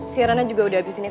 siarannya juga udah abis ini kok